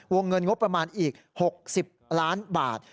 เงินงบประมาณอีก๖๐ล้านบาท